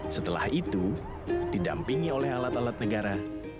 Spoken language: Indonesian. setelah itu didampingi oleh alat alat negara